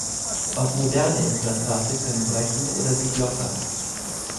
Auch moderne Implantate können brechen oder sich lockern.